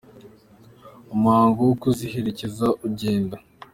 umuhango wo kuziherekeza ugenda.